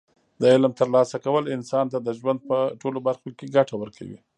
د علم ترلاسه کول انسان ته د ژوند په ټولو برخو کې ګټه ورکوي.